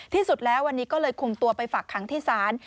ที่สุดแล้ววันนี้ก็เลยคุมตัวไปฝากขังที่ศาล